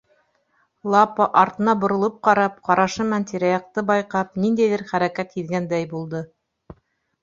Лапа, артына боролоп ҡарап, ҡарашы менән тирә-яҡты байҡап, ниндәйҙер хәрәкәт һиҙгәндәй булды.